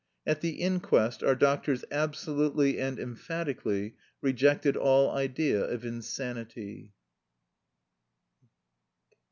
At the inquest our doctors absolutely and emphatically rejected all idea of insanity.